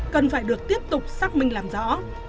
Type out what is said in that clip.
cần phải được tiếp tục xác minh làm rõ